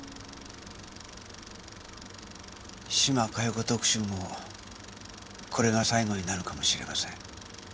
島加代子特集もこれが最後になるかもしれません。